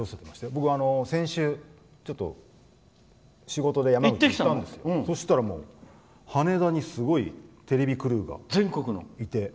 僕、先週ちょっと仕事で山口行ってきたんですよ。そしたら、もう、羽田にすごいテレビクルーがいて。